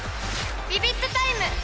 ビビッとタイム！